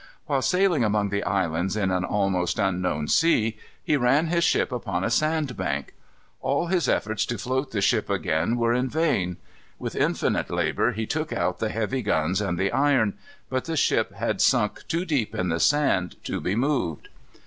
While sailing among the islands in an almost unknown sea, he ran his ship upon a sandbank. All his efforts to float the ship again were in vain. With infinite labor he took out the heavy guns and the iron; but the ship had sunk too deep in the sand to be moved.